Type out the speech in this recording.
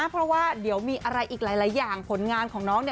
เพราะว่าเดี๋ยวมีอะไรอีกหลายอย่างผลงานของน้อง